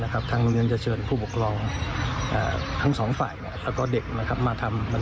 นี่ไงเรื่องของการทะเลาะกัน